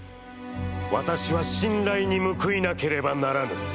私は、信頼に報いなければならぬ。